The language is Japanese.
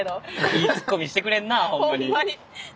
いいツッコミしてくれんなホンマに。